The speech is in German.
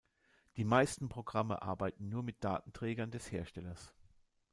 Die meisten Programme arbeiten nur mit Datenträgern des Herstellers.